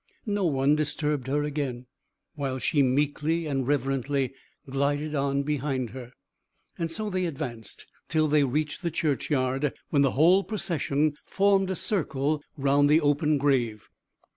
No one disturbed her again, while she meekly and reverently glided on behind her. So they advanced till they reached the churchyard, when the whole procession formed a circle round the open grave.